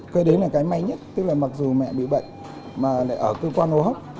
cái đấy là cái may nhất tức là mặc dù mẹ bị bệnh mà lại ở cơ quan hô hốc